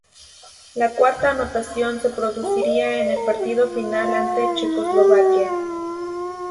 La cuarta anotación se produciría en el partido final ante Checoslovaquia.